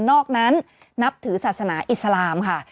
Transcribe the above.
นอกนั้นนับถือศาสนาอิสลามค่ะ